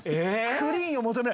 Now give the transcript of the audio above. クリーンを求める。